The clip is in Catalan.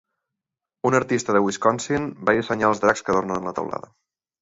Un artista de Wisconsin va dissenyar els dracs que adornen la teulada.